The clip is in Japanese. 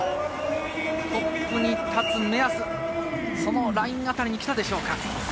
トップに立つ目安、そのライン辺りに来たでしょうか。